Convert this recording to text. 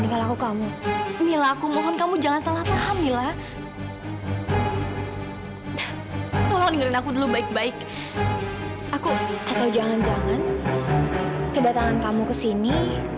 terima kasih mila aku sama sekali gak mengundang andara untuk sini